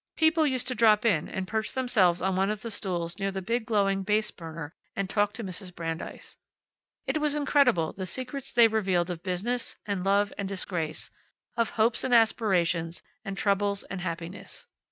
People used to drop in, and perch themselves on one of the stools near the big glowing base burner and talk to Mrs. Brandeis. It was incredible, the secrets they revealed of business, and love and disgrace; of hopes and aspirations, and troubles, and happiness.